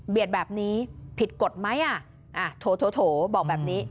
เบียดแบบนี้ผิดกฎไหมอ่ะอ่ะโถโถโถบอกแบบนี้